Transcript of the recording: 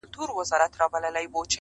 ستا یادیږي پوره شل وړاندي کلونه -